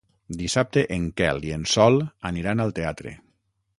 Dissabte en Quel i en Sol aniran al teatre.